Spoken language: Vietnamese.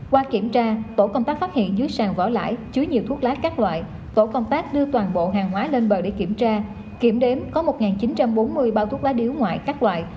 qua kiểm tra tổ công tác phát hiện dưới sàn vỏ lãi chứa nhiều thuốc lá các loại tổ công tác đưa toàn bộ hàng hóa lên bờ để kiểm tra kiểm đếm có một chín trăm bốn mươi bao thuốc lá điếu ngoại các loại